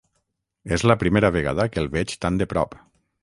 És la primera vegada que el veig tan de prop.